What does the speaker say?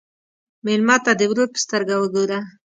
مېلمه ته د ورور په سترګه وګوره.